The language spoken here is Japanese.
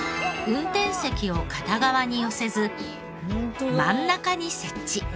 運転席を片側に寄せず真ん中に設置。